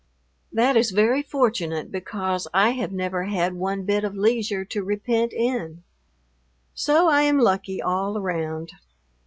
That is very fortunate because I have never had one bit of leisure to repent in. So I am lucky all around.